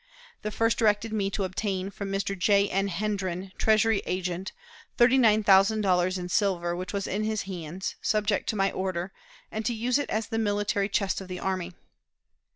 The first directed me to obtain from Mr. J. N. Hendren, Treasury Agent, thirty nine thousand dollars in silver, which was in his hands, subject to my order, and to use it as the military chest of the army.